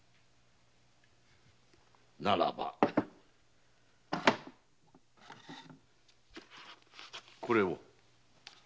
ならばこれを。